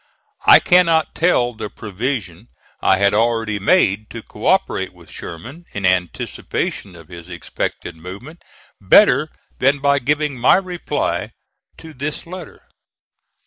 I cannot tell the provision I had already made to co operate with Sherman, in anticipation of his expected movement, better than by giving my reply to this letter.